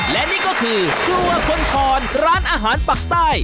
และนี่ก็คือครัวคนคอนร้านอาหารปักใต้